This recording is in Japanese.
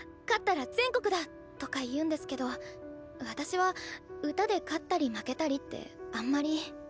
「勝ったら全国だ」とか言うんですけど私は歌で勝ったり負けたりってあんまり。